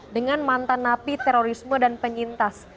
dengan mantan napi terorisme dan penyintas